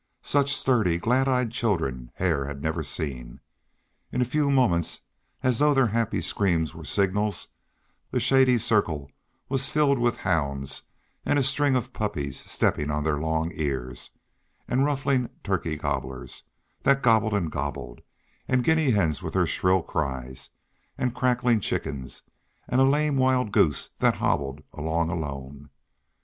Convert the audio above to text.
Such sturdy, glad eyed children Hare had never seen. In a few moments, as though their happy screams were signals, the shady circle was filled with hounds, and a string of puppies stepping on their long ears, and ruffling turkey gobblers, that gobbled and gobbled, and guinea hens with their shrill cries, and cackling chickens, and a lame wild goose that hobbled along alone.